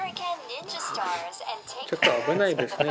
ちょっと危ないですね。